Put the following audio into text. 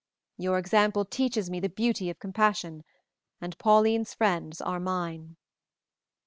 "Your example teaches me the beauty of compassion, and Pauline's friends are mine."